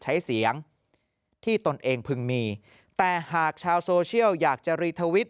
ใช้เสียงที่ตนเองพึงมีแต่หากชาวโซเชียลอยากจะรีทวิต